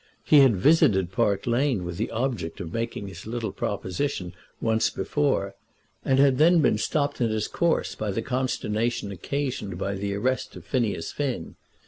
He had visited Park Lane with the object of making his little proposition once before, and had then been stopped in his course by the consternation occasioned by the arrest of Phineas Finn.